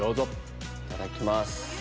いただきます。